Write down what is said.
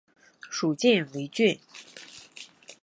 属犍为郡。